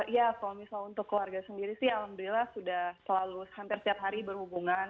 ya kalau misalnya untuk keluarga sendiri sih alhamdulillah sudah selalu hampir setiap hari berhubungan